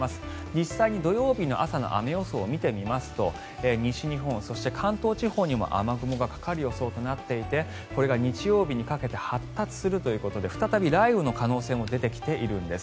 実際に土曜日の朝の雨予報を見てみますと西日本、そして関東地方にも雨雲がかかる予想となっていてこれが日曜日にかけて発達するということで再び雷雨の可能性も出てきているんです。